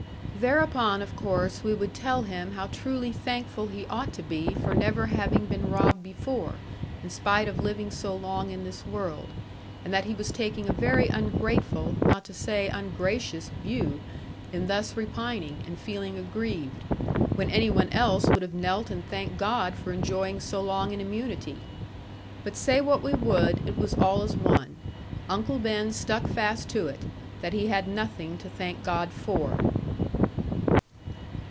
Thereupon of course we would tell him how truly thankful he ought to be for never having been robbed before, in spite of living so long in this world, and that he was taking a very ungrateful, not to say ungracious, view, in thus repining, and feeling aggrieved; when anyone else would have knelt and thanked God for enjoying so long an immunity. But say what we would, it was all as one. Uncle Ben stuck fast to it, that he had nothing to thank God for.